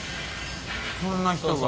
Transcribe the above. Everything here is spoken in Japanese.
そんな人が。